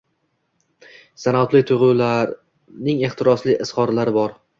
Sinoatli tuyg’ularining ehtirosli izhorlari bor.